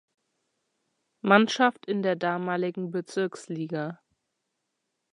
Mannschaft in der damaligen Bezirksliga.